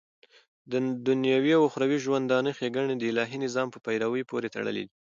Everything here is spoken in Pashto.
ددنيوي او اخروي ژوندانه ښيګڼي دالهي نظام په پيروۍ پوري تړلي دي